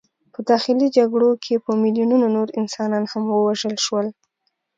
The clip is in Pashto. په داخلي جګړو کې په میلیونونو نور انسانان هم ووژل شول.